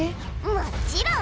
もっちろん！